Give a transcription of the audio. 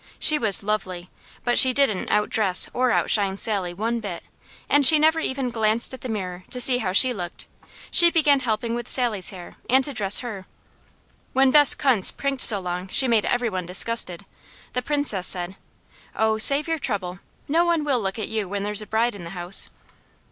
She was lovely, but she didn't "outdress or outshine" Sally one bit, and she never even glanced at the mirror to see how she looked; she began helping with Sally's hair, and to dress her. When Bess Kuntz prinked so long she made every one disgusted, the Princess said: "Oh save your trouble. No one will look at you when there's a bride in the house."